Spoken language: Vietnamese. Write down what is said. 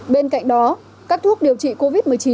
bên cạnh đó các thuốc điều trị covid một mươi chín